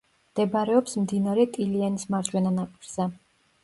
მდებარეობს მდინარე ტილიანის მარჯვენა ნაპირზე.